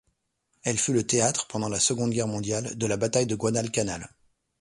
Elle fut le théâtre, pendant la Seconde Guerre mondiale, de la bataille de Guadalcanal.